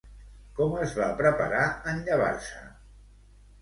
Com es va preparar en llevar-se?